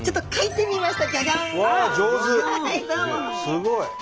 すごい！